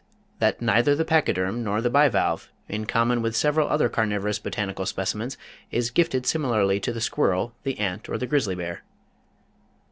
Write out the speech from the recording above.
that neither the pachyderm nor the bivalve, in common with several other carnivorous botanical specimens, is gifted similarly to the squirrel, the ant, or the grizzly bear.